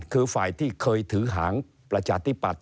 คือฝ่ายที่เคยถือหางประชาธิปัตย